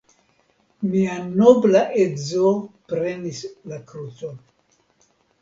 Mia nobla edzo prenis la krucon.